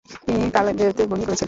তিনি কালেভদ্রে বোলিং করেছেন।